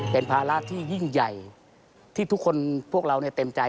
เป็นภาระที่ยิ่งใหญ่ที่ทุกคนพวกเราเต็มใจ